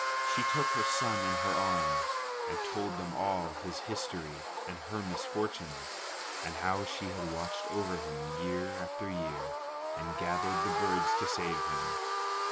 She took her son in her arms, and told them all his history and her misfortunes, and how she had watched over him year after year and gathered the birds to save him.